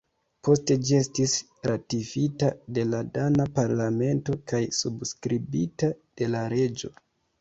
Poste ĝi estis ratifita de la dana parlamento kaj subskribita de la reĝo.